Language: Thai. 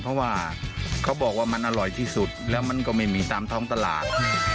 เพราะว่าเขาบอกว่ามันอร่อยที่สุดแล้วมันก็ไม่มีตามท้องตลาด